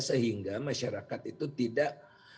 sehingga masyarakat itu tidak